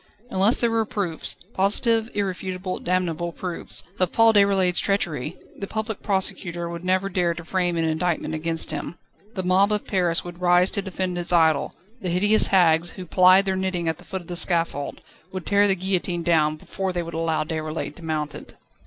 Unless there were proofs positive, irrefutable, damnable proofs of Paul Déroulède's treachery, the Public Prosecutor would never dare to frame an indictment against him. The mob of Paris would rise to defend its idol; the hideous hags, who plied their knitting at the foot of the scaffold, would tear the guillotine down, before they would allow Déroulède to mount it.